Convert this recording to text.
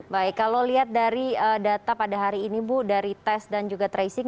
baik kalau lihat dari data pada hari ini bu dari tes dan juga tracing